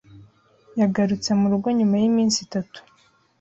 Yagarutse murugo nyuma yiminsi itatu.